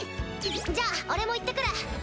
じゃ俺も行って来る！